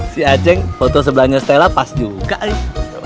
si aceng foto sebelahnya stella pas juga nih